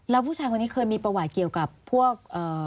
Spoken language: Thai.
แล้วผู้ชายคนนี้เคยมีประวัติเกี่ยวกับพวก